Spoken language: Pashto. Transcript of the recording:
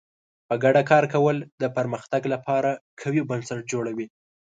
په ګډه کار کول د پرمختګ لپاره قوي بنسټ جوړوي.